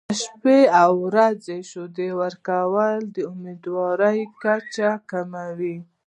شپه او ورځ شیدې ورکول د امیندوارۍ کچه کموي.